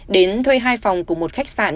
đến thuê hai phòng của một khách sạn